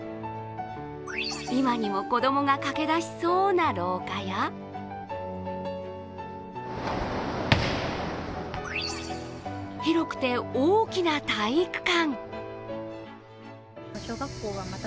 今にも子供が駆け出しそうな廊下や広くて大きな体育館。